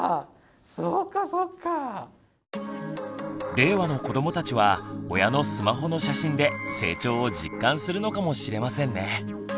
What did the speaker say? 令和の子どもたちは親のスマホの写真で成長を実感するのかもしれませんね。